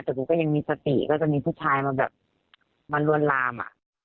แต่กูก็ยังมีสติก็จะมีผู้ชายมารวนลาม